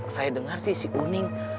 saya dengar sih si kuning